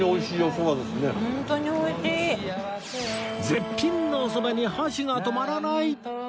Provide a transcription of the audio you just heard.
絶品のおそばに箸が止まらない！